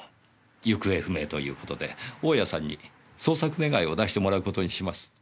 行方不明という事で大家さんに捜索願を出してもらう事にします。